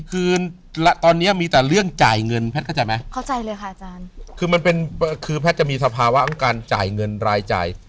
คือแพทย์จะมีสภาวะของการจ่ายเงินรายจ่าย